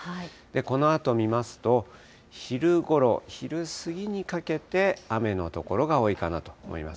このあと見ますと、昼ごろ、昼過ぎにかけて、雨の所が多いかなと思います。